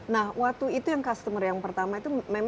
nah waktu itu yang customer yang pertama itu memang